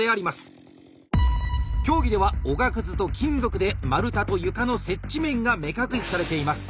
競技ではおがくずと金属で丸太と床の接地面が目隠しされています。